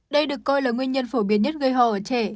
đây được coi là nguyên nhân phổ biến nhất gây ho ở trẻ